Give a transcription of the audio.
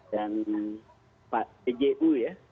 dan eju ya